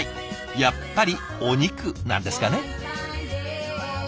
やっぱりお肉なんですかね。